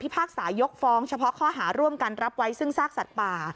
พากษายกฟ้องเฉพาะข้อหาร่วมกันรับไว้ซึ่งซากสัตว์ป่า